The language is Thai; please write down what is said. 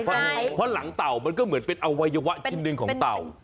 เพราะหลังเต่ามันก็เหมือนเป็นอวัยวะชิ้นหนึ่งของเต่า